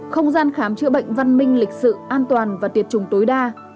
không gian khám chữa bệnh văn minh lịch sự an toàn và tiệt trùng tối đa